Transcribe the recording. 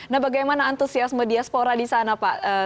nah bagaimana antusiasme diaspora di sana pak